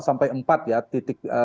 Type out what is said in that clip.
misalnya ada tiga sampai empat ya titik